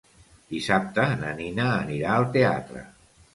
Dissabte na Nina anirà al teatre.